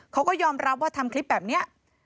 เขาก็ยอมรับว่าทำคลิปแบบนี้